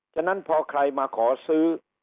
ฉะนั้นพอใครมาขอซื้อ